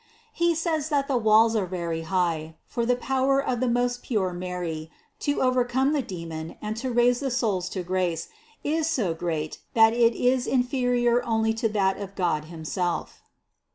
He says that the walls are very high, for the power of the most pure Mary to overcome the demon and to raise the souls to grace is so great that it is in ferior only to that of God himself.